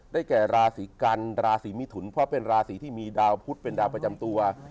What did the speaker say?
แก่ราศีกันราศีมิถุนเพราะเป็นราศีที่มีดาวพุทธเป็นดาวประจำตัว